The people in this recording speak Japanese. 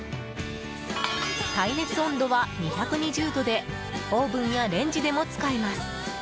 耐熱温度は２２０℃でオーブンやレンジでも使えます。